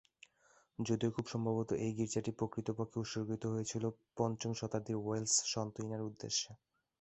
যদিও খুব সম্ভবত এই গির্জাটি প্রকৃতপক্ষে উৎসর্গিত হয়েছিল পঞ্চম শতাব্দীর ওয়েলশ সন্ত ইনার উদ্দেশ্যে।